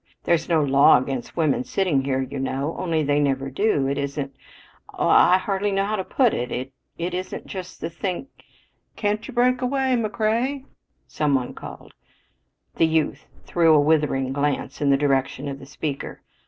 There's no law against women sitting here, you know. Only they never do. It isn't oh, I hardly know how to put it it isn't just the thing " "Can't you break away, McCrea?" some one called. The youth threw a withering glance in the direction of the speaker.